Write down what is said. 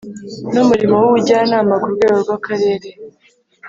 n umurimo w ubujyanama ku rwego rw Akarere